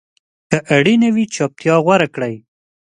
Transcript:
که اړینه وي، چپتیا غوره کړئ.